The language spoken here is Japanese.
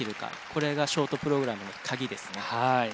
これがショートプログラムの鍵ですね。